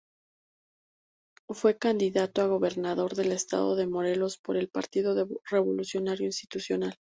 Fue candidato a gobernador del Estado de Morelos por el Partido Revolucionario Institucional.